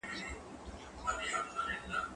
دا کالي له هغو پاک دي!.